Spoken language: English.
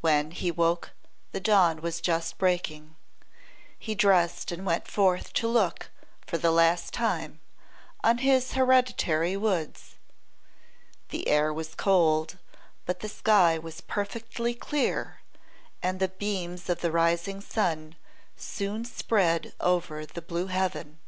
When he woke the dawn was just breaking. He dressed and went forth to look, for the last time, on his hereditary woods. The air was cold, but the sky was perfectly clear, and the beams of the rising sun soon spread over the blue heaven.